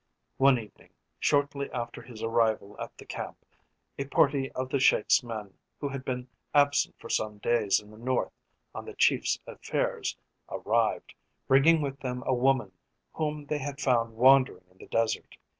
One evening, shortly after his arrival at the camp, a party of the Sheik's men who had been absent for some days in the north on the chief's affairs arrived, bringing with them a woman whom they had found wandering in the desert.